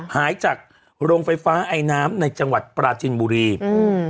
หายจากโรงไฟฟ้าไอน้ำในจังหวัดปราจินบุรีอืม